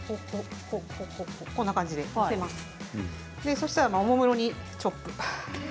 そしたら、おもむろにチョップ。